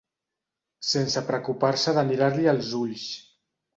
Sense preocupar-se de mirar-li els ulls.